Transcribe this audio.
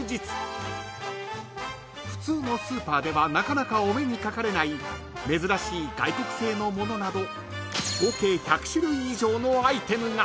［普通のスーパーではなかなかお目にかかれない珍しい外国製のものなど］